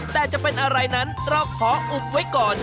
แต่จะเป็นอะไรนั้นเราขออุบไว้ก่อน